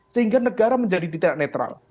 sehingga negara menjadi tidak netral